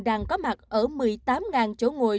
đang có mặt ở một mươi tám chỗ ngồi